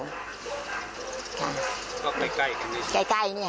ก็ไปใกล้นิดนิด